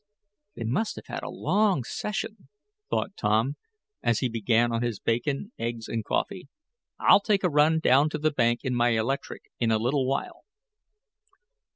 "They must have had a long session," thought Tom, as he began on his bacon, eggs and coffee. "I'll take a run down to the bank in my electric in a little while."